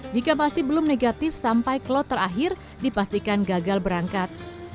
jika masih belum negatif sampai klot terakhir dipastikan gagal berangkat